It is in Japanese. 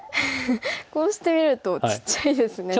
こうしてみるとちっちゃいですね白。